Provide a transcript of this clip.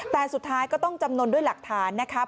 แต่สุดท้ายก็ต้องจำนวนด้วยหลักฐานนะครับ